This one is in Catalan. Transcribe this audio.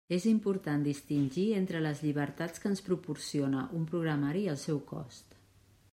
És important distingir entre les llibertats que ens proporciona un programari i el seu cost.